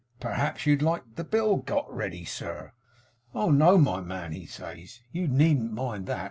"Perhaps you'd like the bill got ready, sir?" "Oh no, my man," he says; "you needn't mind that.